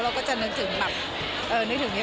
เราก็จะนึกถึงแบบนึกถึงนี้